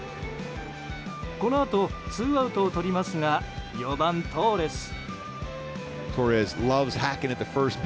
このあとツーアウトをとりますが４番、トーレス。